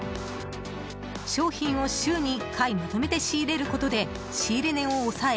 商品を週に１回まとめて仕入れることで仕入れ値を抑え